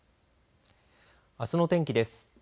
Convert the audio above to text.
あすの天気です。